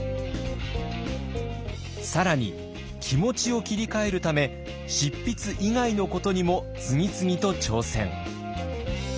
更に気持ちを切り替えるため執筆以外のことにも次々と挑戦。